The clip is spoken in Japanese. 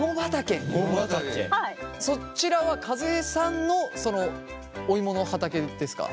そちらは和江さんのお芋の畑ですか？